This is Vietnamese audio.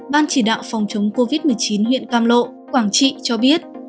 ban chỉ đạo phòng chống covid một mươi chín huyện cam lộ quảng trị cho biết